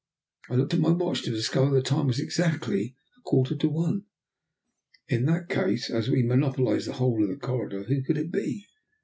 I looked at my watch to discover that the time was exactly a quarter to one. In that case, as we monopolized the whole of the corridor, who could it be?